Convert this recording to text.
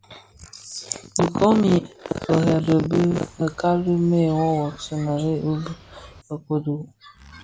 Dhi komid firebèn fi bekali bè woowoksi mëree bi bë kodo.